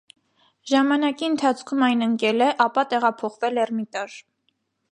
Ժամանակի ընթացքում այն ընկել է, ապա տեղափոխվել էրմիտաժ։